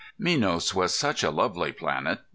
] Minos was such a lovely planet.